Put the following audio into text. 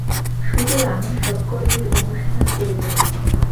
সুতরাং সৎকর্মের অনুষ্ঠান করে যাও।